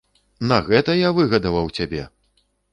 На гэта я выгадаваў цябе?